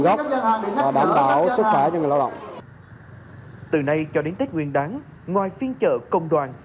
có hoạt động chăm lo đời sống đoàn viên người lao động sẽ được triển khai như chuyến xe công đoàn